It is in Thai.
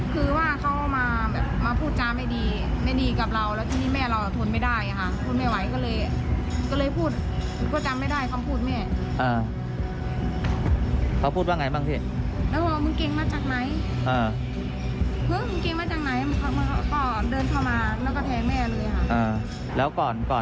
เขาพูดว่าอย่างไรบ้าง